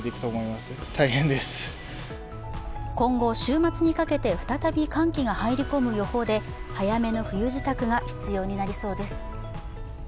今後、週末にかけて再び寒気が入り込む予報で、早めの冬支度が必要になりそうです。